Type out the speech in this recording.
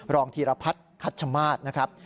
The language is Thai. ธีรพัฒน์คัชมาศนะครับ